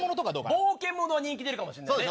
冒険もの、人気出るかもしれないですね。